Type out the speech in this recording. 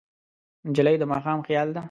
نجلۍ د ماښام خیال ده.